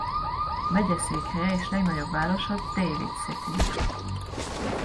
Megyeszékhelye és legnagyobb városa David City.